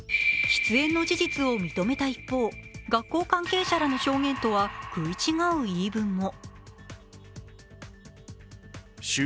喫煙の事実を認めた一方、学校関係者らの証言とは食い違う言い分も。